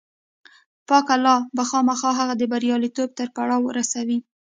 پاک الله به خامخا هغه د برياليتوب تر پړاوه رسوي.